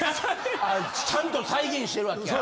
ちゃんと再現してるわけや。